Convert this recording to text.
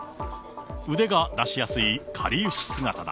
腕が出しやすいかりゆし姿だ。